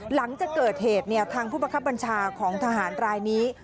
หลังจากเกิดเหตุทางผู้บังคับบัญชาของทหารรายนี้